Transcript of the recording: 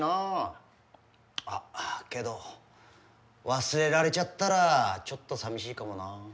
あっけど忘れられちゃったらちょっとさみしいかもな。